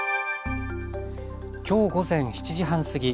きょう午前７時半過ぎ